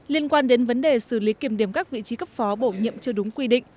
liên quan đến vấn đề xử lý kiềm điểm các vị trí cấp phó bổ nhiệm chưa đúng quy định